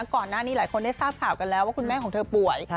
ก่อนหน้านี้หลายคนได้ทราบข่าวกันแล้วว่าคุณแม่ของเธอป่วย